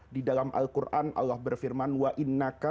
di dalam al quran allah berfirman